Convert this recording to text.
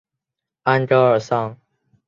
安戈尔桑。